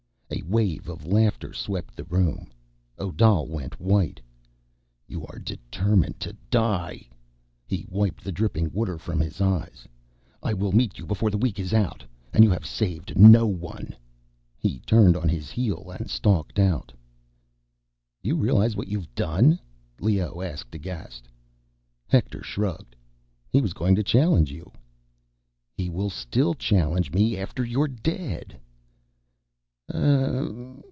A wave of laughter swept the room. Odal went white. "You are determined to die." He wiped the dripping water from his eyes. "I will meet you before the week is out. And you have saved no one." He turned on his heel and stalked out. "Do you realize what you've done?" Leoh asked, aghast. Hector shrugged. "He was going to challenge you—" "He will still challenge me, after you're dead."